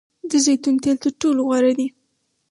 د زیتون تیل تر ټولو غوره دي.